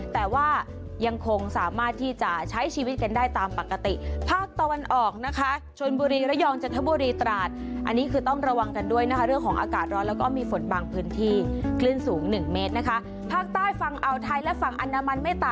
แต่ว่ายังคงสามารถที่จะใช้ชีวิตกันได้ตามปกติภาคตะวันออกนะคะชนบุรีระยองจันทบุรีตราชอันนี้คือต้องระวังกันด้วยนะคะเรื่องของอากาศร้อนแล้วก็มีฝนบางพื้นที่